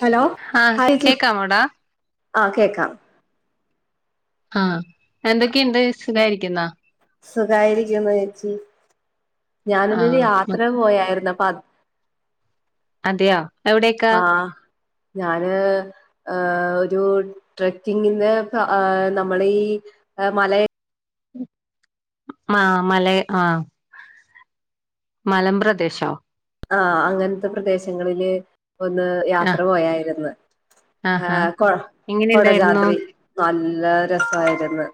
Hello ആഹ് hi ചേ കേക്കാമോടാ ആഹ് കേക്കാം. ആഹ് എന്തൊക്കെണ്ട്. സുഖായിരിക്കുന്നാ. സുഖായിരിക്കുന്നു ചേച്ചി. ഞാനൊരു ആഹ് യാത്ര പോയായിരുന്നു. അപ്പ അതയോ ആഹ് ഞാന് ഏഹ് ഒരു ട്രക്കിങ്ങിന്റെ ഹേ നമ്മ ളീ ഈ മല ആഹ് മല. ആഹ് മലമ്പ്രദേശോ. ആഹ് അങ്ങൻത്തെ പ്രദേശങ്ങളില് ഒന്ന് യാത്ര ആഹ് പോയായിരുന്നു. ആഹാ ഏഹ് കൊ എങ്ങനെ ഉണ്ടായിരുന്നു കൊടജാദ്രി നല്ല രസായിരുന്നു.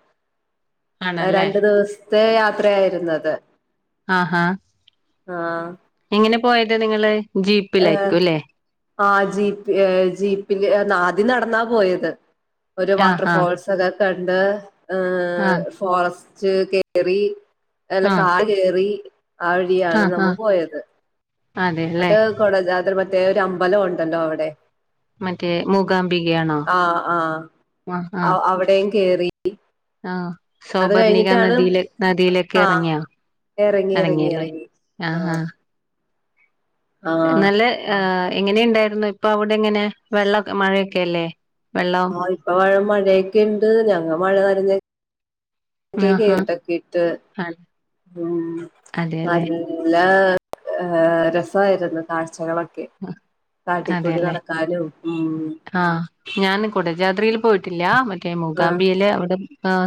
ആണല്ലേ രണ്ടു ദിവ സത്തെ യാത്രയായിരുന്നത്. ആഹ ഹഹ ആഹ് എങ്ങനെ പോയത് നിങ്ങള്. ജീപ്പിലായിരിക്കും ല്ലേ. ആഹ് ജീപ്പ് ജീപ്പില് ആദ്യം നടന്നാ പോയത് ഒരു വാട്ടർ ആഹ് ആഹ് ഫോൾസ് കണ്ട് ആഹ് ഫോറെസ്റ്റ് കേറി നല്ല ആഹ് കാട് കേറി ആ വഴിയാണ് ആഹ് നമ്മൾ ആഹ് പോയത് അതെല്ലേ അത് കൊട അവിടെ പ്രേത്യേക ഒരു അമ്പലം ഉണ്ടല്ലോ അവിടെ മറ്റേ മൂകാംബികയാണോ ആ ആഹ് ആ ആഹ് അവിടെയും കേറി ആഹ് അത് സൗബർണിക കഴിഞ്ഞിട്ടാണ് നദിയിലെ നദിയിലേക്ക് ആ എറങ്ങിയാ ഇറങ്ങി എറങ്ങി ഇറങ്ങി ല്ലേ ഇറങ്ങി ആ ആഹ് ആഹ് ആ നല്ല എങ്ങനെയുണ്ടായിരുന്നു ഇപ്പൊ അവിടെ എങ്ങനെ വെള്ളെ മഴയൊക്കെല്ലേ ആഹ് ഇപ്പൊംമഴയൊക്കെ ഉണ്ട് ഞങ്ങ മഴ നനഞ്ഞ കേ ആഹാ കേട്ടക്കെട്ട് ആ ന [unintelligible] അതെല്ലേ നല്ലാ രസായിരുന്നു കാഴ്ചകളൊക്കെ ആ, കാട്ടിക്കൂടി അതെല്ലേ നടക്കാനും ഉം ആഹ് ഞാന് കുടജായിൽത്രിയില് പോയിട്ടില്ല മറ്റേ ആഹ് മൂകാംബിയില് അവിടെ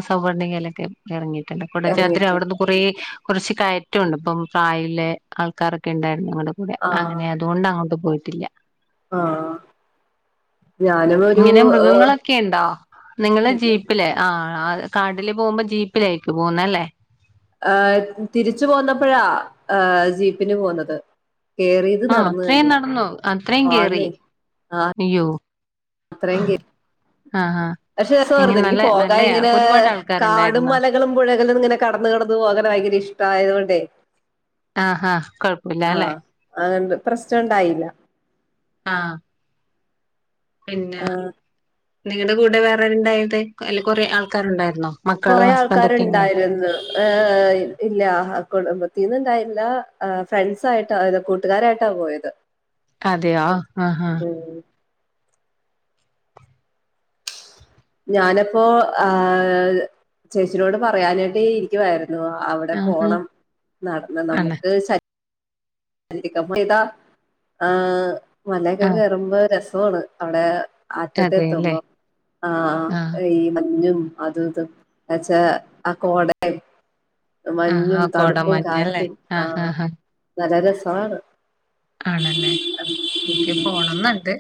സവർണ്ണികയിലൊക്കെ എറങ്ങിട്ടല്ല കൊടാജാത്രി എറങ്ങിട്ട് ആവിടുന്ന് കുറേ കൊറച്ച് കയറ്റുണ്ട് ഇപ്പം പ്രായിലെ ആൾക്കാരൊക്കെ ഉണ്ടായിരുന്നു ഞങ്ങടെ കൂടെ ആഹ് അങ്ങനെ അതുകൊണ്ട് അങ്ങോട്ട് പോയിട്ടില്ല ആഹ് ഞാനും ഒരു ഇങ്ങനെ ഏഹ് മൃഗങ്ങളൊക്കെ ഇണ്ടോ നിങ്ങളെ ജീപ്പില് ആഹ് കാടില് പോകുമ്പോ ജീപ്പിലേക്ക് പോകുന്ന ല്ലേ ഏ തിരിച്ചു പോന്നപ്പോഴാ ജീപ്പിന് പോന്നത് കേറിയത് ആഹാ നടന്നു അത്രയും തന്നെയാ നടന്നു അത്രയും കേറി ആന്നെ അയ്യോ അത്ര ആഹാ പക്ഷ ദസ എങ്ങനെ എനിക്ക് നല്ല പോകാ നല്ലയാ ഇങ്ങനെ ഒരുപാട് കാടും ആൾക്കാരുണ്ടായിരുന്നോ മല ളും പുഴകളും ഇങ്ങനെ കടന്ന് കടന്ന് പോകാൻ ഭയങ്കര ഇഷ്ടയത കൊണ്ടയ് ആഹാ കൊഴപ്പല്ല അല്ലെ ആഹ് അത് പ്രശ്നണ്ടായില്ല ആഹ് പിന്നെ ആഹ് നിങ്ങളടെ കൂടെ വേറെരുണ്ടായത് അല്ല കുറെേ ആൾക്കാരു ഉണ്ടായിരുന്നു മക്കളും ഹസ്ബൻഡ ഒക്കെ ഉണ്ടായിരുന്നു ഏഹ ഇല്ല കുടുംബത്തിന്ന്ണ്ടായില്ല ഫ്രണ്ട്സ ആയിട്ട് അത് കൂട്ടുകാരായിട്ടാ പോയത് [inaudible] അതെയോ ആഹ് ആഹ് ഉം ഞാനപ്പോ ഹേ ചേച്ചിനോട് പറയാനായിട്ടി ഇരിക്കുവായിരുന്നു അഹ് അവിടെ ആഹാ പോണം നടന്ന് ആണ് നമുക്ക് ശ [unintelligible] ഇതാ ആഹ് മലയൊക്കെ ആഹ് കേറുമ്പോ രസാണ് അവിടെ ആറ്റത്തെ അതെല്ലേ എത്തുമ്പോ ആഹ് ഈ മഞ്ഞും അതു ഇതു എന്നച്ചാ ആ കോട മഞ്ഞും തണുപ്പും കാറ്റും ആഹ് നല്ല രസമാണ് ആണല്ലേ എനിക്ക് പോണംന്നുണ്ട്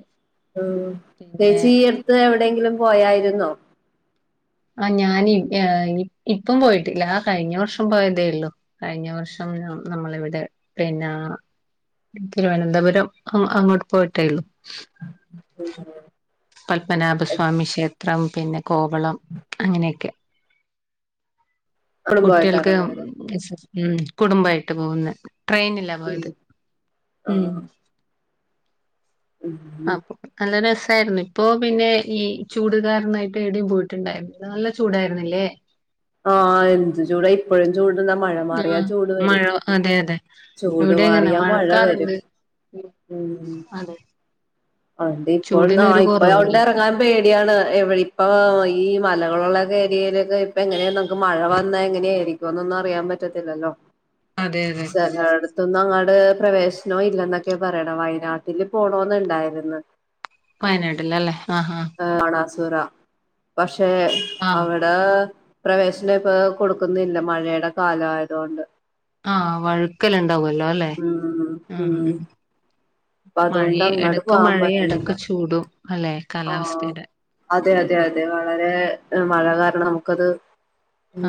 പിന്നെ ചേച്ചി പൊറത്ത് എവിടെയെങ്കിലും പോയായിരുന്നോ ആഹ് ഞാൻ എഹ് ഇപ്പം പോയിട്ടില്ല ആഹ് കഴിഞ്ഞ വർഷം പോയതേള്ളു കഴിഞ്ഞ വർഷം ന്ന നമ്മളിവിടെ പിന്നെ തിരുവനന്തപുരം ആഹ് അങ്ങോട്ട് പോയിട്ടേള്ളു മ്മ്മ് ഹ് പത്മനാഭ സ്വാമി ക്ഷേത്രം പിന്നെ കോവളം അങ്ങനെയൊക്കെ എപ്പോഴും പോയിട്ടാണ് കുട്ടികൾക്ക് പോയത് ഉം കുടുംബമായിട്ട് പോകുന്നെ ട്രെയിനിലാ പോകു ഉം ആഹ് ആപ് നല്ല രസായിരുന്നു ഇപ്പൊ പിന്നെ ഈ ചൂടുകാരനായിട്ട് എവിടെയും പോയിട്ടുണ്ടായിരുന്നില്ല നല്ല ചൂടായിരുന്നില്ലേ ആഹ് എന്ത് ചൂട ഇപ്പോഴും ചൂട്ന്നാ മഴ മാറിയാ ആഹ് ചൂട് മഴ വരും അതെ അതെ ചൂട് മാറിയാ മഴ വരും ഉം അതെ അ ഇപ്പോ ന ചൂടിനൊരു ഇപ്പോണ്ട് കുറവുല്ല ഇറങ്ങാൻ പേടിയാണ് എവിയെ ഇപ്പ ഈ മലകളുള്ള ഏരിയയിലൊക്കെ ഇപ്പൊ എങ്ങനെയ നമ്മക്ക് മഴ വന്നാ എങ്ങനെയായിരിക്കോ എന്നൊന്നും അറിയൻ പറ്റത്തില്ലല്ലോ അതെ അതെ സലാട് ഇപ്പൊ ഒന്നും അങ്ങാട് പ്രവേശനം ഇല്ല എന്നൊക്കെ പറയണ് വയനാട്ടില് പോണോന്നുണ്ടായിരുന്നു വയനാട്ടിലല്ലേ ആഹ് ആഹ് ഏ മണാസുര പക്ഷെ ആഹ് അവടെ ടെ പ്രവേശനം ഇപ്പൊ കൊടുക്കുന്നില്ല മഴയുടെ കാലായതുകൊണ്ട് ആഹ് വഴുക്കൽ ഇണ്ടാവുല്ലോ അല്ലെ ഉം ഉം അപ്പൊ മഴ അതുകൊണ്ട് അങ്ങോട്ട് ഇടക്ക് പോവാൻ മഴയും പറ്റന്നില്ല ഇടക്ക് ചൂടും അല്ലെ ആഹ് കാലാവസ്ഥയുടെ അതെ അതെ അതെ വളരെ മഴ കാരണം നമുക്കത്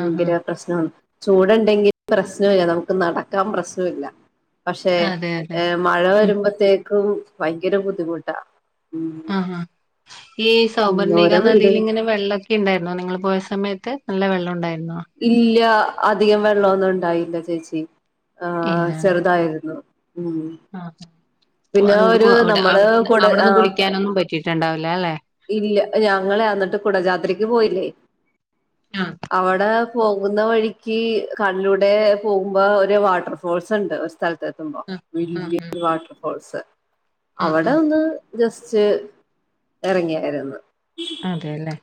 ആഹ് ആഹ് പ്രശ്നാണ്. ചൂടുണ്ടെങ്കിൽ പ്രശ്നല്ല നമുക്ക് നടക്കാൻ പ്രശ്നല്ല പക്ഷേ അതെ അതെ ഏ മഴ വരുമ്പോത്തേക്കും ഭയങ്കര ബുദ്ധിമുട്ടാ ആ ഹ പ ഈ ഉം ഓരോ സൗബർണിക വീട് നദിയിൽ ഇങ്ങനെ വെള്ള ക്കെ ഇണ്ടായിരുന്നോ നിങ്ങള് പോയ സമയത്ത് നല്ല വെള്ളം ഇണ്ടായിരുന്നോ ഇല്ല അധികം വെള്ളന്നും ഇണ്ടായില്ല ചേച്ചി ആ ഇല്ല അല്ലെ ചെറുതായിരുന്നു ഉം ആഹ് പിന്നെ ഒരു അതുകൊണ്ട് അ നമ്മള് കുട അവിടന്ന് ആഹ് കുളിക്കാനൊന്നും പറ്റിയിട്ടുണ്ടാവില്ല അല്ലെ ഇല്ല ഞങ്ങളെ എന്നിട്ട് കുടജാത്രിക്ക് പോയില്ലേ ആഹ് അവിടെ പോകുന്ന വഴിക്ക് കടലിലൂടെ പോകുമ്പോ ഒരു വാട്ടർ ഫോൾസ് ഉണ്ട് ഒരു സ്ഥലത്ത് കുമ്പം ആഹ് ആഹ് ആഹ് [inaudible] വാട്ടർ ഫോൾസ് അവിടെ ആഹ് ഒന്ന് ജസ്റ്റ് ഇറങ്ങിയായിരുന്ന് ആഹ് അതെല്ലേ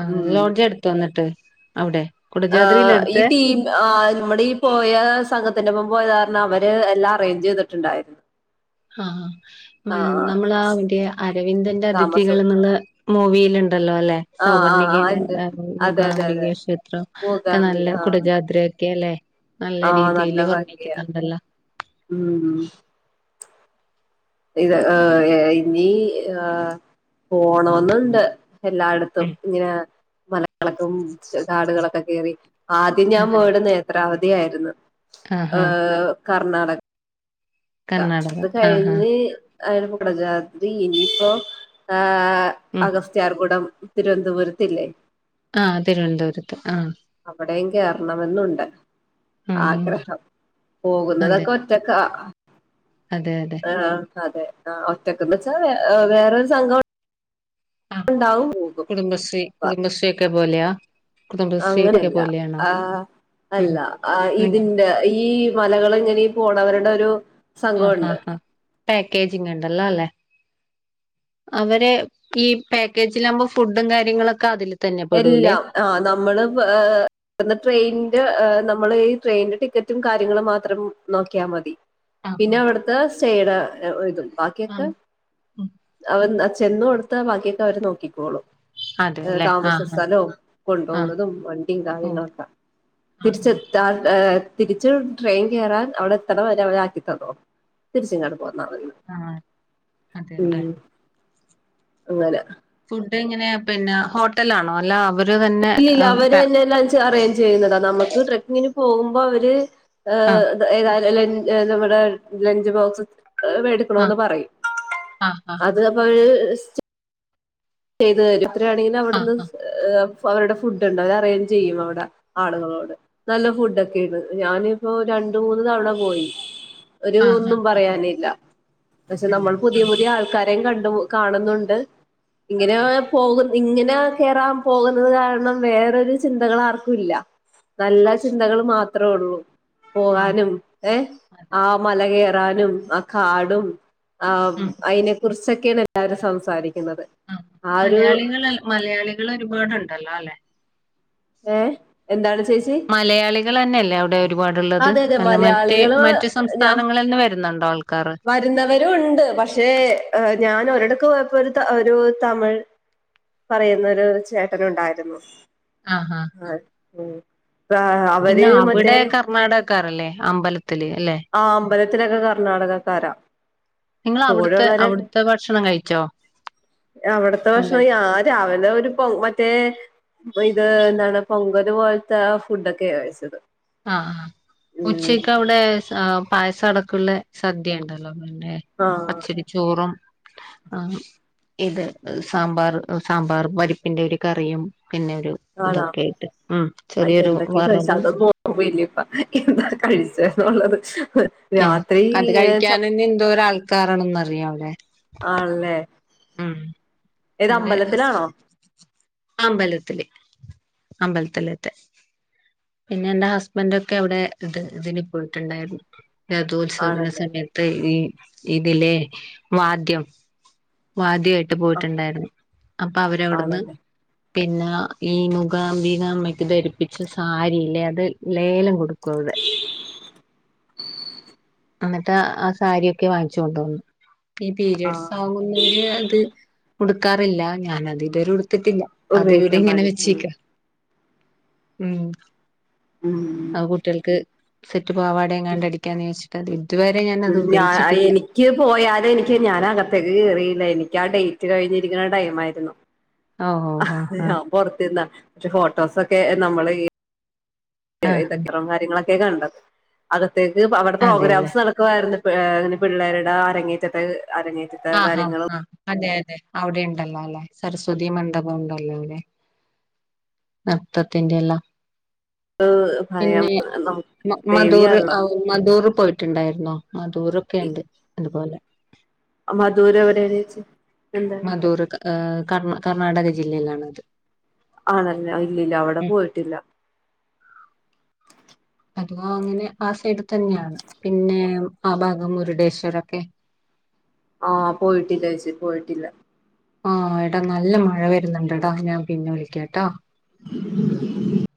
ആ ലോഡ്ജ് എടുത്തോ എന്നിട്ട് അവിടെ ആ് കുടജാദ്രിയില ഈ എടുത്തെ തീ ആ് നമ്മുടെ ഈ പോയ സംഘത്തിന്റെ ഒപ്പം പോയ കാരണം അവര് എല്ലാം അറേഞ്ച് ചെയ്തിട്ടുണ്ടായിരുന്നു ആഹ് മ ആഹ് നമ്മളാ മറ്റേ അരവിന്ദന്റെ അതിഥികൾ താമസം എന്നുള്ള മൂവീൽ ഇണ്ടല്ലോല്ലെ ആഹ് ആഹ് ആഹ് സൗവർണ്ണികേന ഉണ്ട് അതെ അതെ അതെ മുഗാംബിക ക്ഷേത്രം ഒക്കെ മൂകാംബിക നല്ല ആഹ് കുടജാദ്രൊക്കെ അല്ലെ നല്ല ആഹ് രീതിൽ നല്ല ഭംഗിയാ വർണ്ണിക്കുന്നുണ്ടല്ലോ ഉം ഇത് ഏ ഹ് ഇനി പോണോന്നുണ്ട് എല്ലായിടത്ത തും ഉം. ഇങ്ങനെ മല കളക്കും കാടുകളൊക്കെ കേറി ആദ്യം ഞാൻ അതാണ് പോയിട്ന്ന് ഒരാവധി ആായിരുന്നു ആഹ് ആഹ് ഏഹ് കർണാടക [inaudible] കർണാടക അത് കഴി ആഹ് ആഹ് അ പടജാദി ഇനിപ്പോ ഉം അഗസ്റ്റ് ചാർകൂടം തിരുനന്തപുരത്ത്ല്ലേ ആഹ് തിരുവനന്തപുരത്ത് ആഹ് അവ്ടെയും കേറണമെന്നുണ്ട് ആഹ് ആഗ്രഹം അതെ പോകുന്നതൊക്ക ഒറ്റ് റ്റക്കാ അതെ അതെ ആഹ് അതെ ആഹ് ഒറ്റക്ക്ന്ന്ച്ചാ വേറൊരു സങ്കൊ ണ്ടാവും പോകും കുടുബശ്രീ കുടുബശ്രീ ഒക്ക പോലയാ അങ്ങനെയല്ല ആഹ് ഉം അല്ല ആഹ് ഇത് നിങ്ങൾ ന്റെ ഈ മലകള് ഇങ്ങനി പോണവര്ടെ ഒരു ആഹ് സംഘമുണ്ട് ആഹ് പാക്കേജിങ് ഇണ്ടല്ലോ അല്ലെ അവരെ ഈ പാക്കേജില് ആവുമ്പ ഫുഡും കാര്യങ്ങളക്ക അതില് എല്ലാം ആഹ് നമ്മള് ട്ട്ന്ന ട്രെയ്ൻന്റെ ഏഹ് നമ്മള് ഈ ട്രെയ്ന്റെ ടിക്കറ്റും കാര്യങ്ങളും മാത്രം നോക്കിയാ മതി ആഹ് പിന്ന അവ്ട്ത്ത് [unintelligible] ഇതും ബാക്കിയക്ക ആഹ് ആഹ് അവൻ ചെന്ന് ഒട്ത്ത ബാക്കിയക്ക അവര് നോക്കിക്കോളും അതെല്ലെ ആഹ് ആഹ് സ്ഥലോം ആഹ് കൊണ്ടോവുന്നതും വണ്ടീ ഓ കാര്യങ്ങളക്ക തിര്ച്ച് ആഹ് എത്ത എ തിര്ച്ച് ട്രെയിൻ കെറാൻ അവ്ട് എത്ത്ണ് വരെ ആവനാക്കിത്തന്നോ തിര്ച്ച്ങ്ങട്ട് പോന്നാ മതി ആഹ് അതെല്ലേ ഉം അങ്ങന ഫുഡ് എങ്ങനെ പിന്ന ഹോട്ടല്ലാണോ അല്ല അവര് തന്നെ അഹ് പെ ത് അറേയ്ൻജെയ്യുന്നതാ ന്നമ്മക് ട്രാക്കിങ്ന് പോവുമ്പോ അവര് ഏഹ് ആഹ് ഏതായാ തലൻ നമ്മ്ട് ലഞ്ച് ബോക്സ് വെടുക്ക്ണോന്ന് പറയും ആഹ് ആഹ് അ [unintelligible] ചെയ്ത് തരും [unintelligible] ആഹ് അവ്ട്ന്ന് ഏഹ് ഫവര്ടെ ഫുഡ് ഇണ്ട് അവര് അറേഞ്ച്യ്യും അവ്ട ആളുകളോട് നല്ല ഫുഡക്കെണ് ഞാനിപ്പോ രണ്ട് മൂന്ന് തവണ പോയി ഒരു ആഹ് ആഹ് ഒന്നും ആഹ് ആഹ് പറയാനില്ല പശേ ഇല്ല നമ്മൾ പുതിയ ആഹ് പുതിയ ആൾക്കാരെയും കണ്ട് കാണുന്നുണ്ട് ഇങ്ങന അതെ അതെ പോവുന്ന് ഇങ്ങന കെറാം പോക്ന്നത് കാരണം വേറ ഒര് ചിന്തകള് ആർക്കുല്ല നല്ല ആഹ് ചിന്തകള് മാത്രോ ഒള്ളൂ പോആനും ഏഹ് അതെ അതെ ആഹ് മലകെ റാനും ആ കാടും ആഹ് ഉം അയ്ന് കുർചെക്കെണ് എല്ലാരും സംസാരിക്ക്ന്നത് ആഹ് മലയാളികള് മലയാളികള് ഒരുപാട് ഇണ്ടല്ലോ അല്ലെ ഏഹ് എന്താണ് ചേച്ചി മലയാളികളന്നെ അല്ലേ അവ്ടെ ഒര് പാട് ഇള്ളത് അതെ അതെ അല്ല മറ്റേ മലയാളികള് മറ്റ് ഞാൻ സംസ്ഥാനങ്ങളിൽന്ന് വരുന്നുണ്ടോ ആൾക്കാറ് വരുന്നവരും ഉണ്ട് പക്ഷേ ഞാന് ഒരടക്ക് പോയപ്പോ ഒരു ഒരു തമഴ് പറയുന്നൊരു ചേട്ടന് ഉണ്ടായിരുന്നു ആഹ് ആഹ് ആഹ് അവര് മറ്റേ ക്കാറല്ലേ അമ്പലത്തില് അല്ലെ ആഹ് അമ്പലത്തിലക്ക കർണാടകക്കാരാ കൂടൊള്ളരെ അവ്ട്ത്തെ ഭക്ഷണം കഴിച്ചോ അവ്ട്ത്തെ ഭക്ഷണം ഞ അമ്പലത്തി രാവിലെ ഒരു പോ മറ്റേ പ്പഇത് ന്താണ് പൊങ്കല് പോൽത്ത ഫുഡക്കെ കഴിച്ചത് ആഹ് ഉം ഉച്ചക്ക് അവ്ടെ പായസം അടക്ക്ള്ളെ സദ്യ ഇണ്ടല്ലോ പിന്നെ ആഹ് പച്ചരി ചോറും ആഹ് ഇത് സാമ്പാറ് സാമ്പാറും വര്പ്പ്ന്റെ ഒര് കറിയും പിന്നെ ഒരു ആണോ ഇതൊക്കെ ഇട്ട് ഉം ചെറിയൊരു വറ്‌ വും. ഓ വല്യപ്പ എന്താ കഴിച്ചേന്നുള്ളത്. ഏഹ് അത് കഴിക്കനെന്നെ എന്തോര് ആൾക്കാരാണന്ന് അറിയൊ അവ്ടെ. ആൺലെ ഉം ഇന്റെ ഹസ് അമ്പലത്തില്. അമ്പൽത്ത്ലേത്തെ പിന്നെ എന്റെ ഹസ്ബന്റൊക്കെ അവിടെ ഇത് ഇതിന് പോയിട്ടുണ്ടായിരുന്നു. രഥോത്സവത്തിന്റെ ആണല്ലേ സമയത്ത് ഈ ഇതിലെ വാദ്യം. വാദ്യായിട്ട് ആ പോയിട്ടുണ്ടായിരുന്നു. അപ്പൊ അവര് അവിട്ന്ന് ആണല്ലേ പിന്നെ ഈ മുഖാബിക അമ്മയ്ക്ക് ധരിപ്പിച്ച സാരില്ലേ അത് ലേലം കൊടുക്കും അവിടെ [inaudible] അന്നിട്ട് ആഹ് സാരിയൊക്കെ വാങ്ങിച്ചു കൊണ്ടോന്ന. ഈ ആ പീരിയഡ്സ് ആവുന്നവര് അത് ഉടുക്കാറില്ല. ഞാനത് ഇതുവരെ ഉടുത്തിട്ടില്ല. അത് ഇവിടെ ഉപയോഗിക്കാൻ ഇങ്ങനെ പാടില്ല വെച്ചേക്ക ഉം ഉം അത് കുട്ട്യേൾക്ക് സെറ്റ് പാവാട എങ്ങാണ്ട് അടിക്കാന്നെ [unintelligible] ച്ചിട്ട് അത് ഇതുവരെ ഞാൻ അത് ഉപയോഗിച്ചിട്ടില്ല. ക്ക് പോയാല് എനിക്ക് ഞാൻ അകത്തേക്ക് കേറിയില്ല. എനിക്ക് ആ ഡേയ്റ്റ് കഴിഞ്ഞിരിക്ക്ണെ ടൈം ആയിരുന്നു. ആഹ് ഓ ഓ ആഹ് പോറ്തിന്ന. പക്ഷെ ഫോട്ടോസൊക്കെ നമ്മള് ഈ ആ ആ ഇതക്ക്രം കാര്യങ്ങളൊക്കെ കണ്ടത്. അകത്തേക്ക് അവിടെ അതെല്ലേ പ്രോഗ്രാംസ് നട ക്കു ആയിര്ന്ന് പിള്ളേരുട അരങ്ങേറ്റത്തെ അരങ്ങേ ആഹ് ആഹ് ആഹ് അതെ അതെ അവിടെണ്ടല്ലോ അല്ലെ സരസ്വതി മണ്ഡപം ഉണ്ടല്ലൊ ലെ. നൃത്തത്തിന്റെ എല്ലാം. ഭയം പിന്നെ നമുക്ക് മധൂർ ദേവിയാണല്ലോ ഔ മദൂർ പോയിട്ട്ണ്ടായിര്ന്നൊ മദൂറോക്കെണ്ട് അതുപോലെ. മധൂര് എവിടെണെചി മധൂർ ക കർ കർണാടക ജില്ലയിലാണത്. ആണെല്ലെ. അ ഇല്ലില്ല അവിടെ ഉം പോയിട്ടില്ല. അതവാ അങ്ങനെ. ആസൈഡ് തന്നെയാണ്. പിന്നെ ആഭാഗം മുരുടേശ്വരൊക്കെ ആഹ് പോയിട്ടില്ലേച്ചി പോയിട്ടില്ല. ആഹ് എട നല്ല മഴ വരുന്നുണ്ടടാ. ഞാൻ പിന്നെ വിളിക്കാട്ടാ. [inaudible]